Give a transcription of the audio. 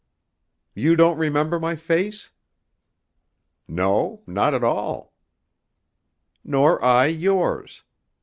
"You don't remember my face?" "No, not at all." "Nor I yours.